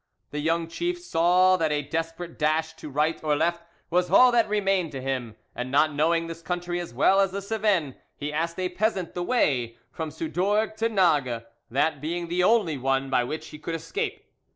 The young chief saw that a desperate dash to right or left was all that remained to him, and not knowing this country as well as the Cevennes, he asked a peasant the way from Soudorgues to Nages, that being the only one by which he could escape.